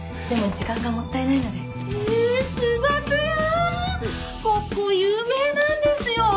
ここ有名なんですよ！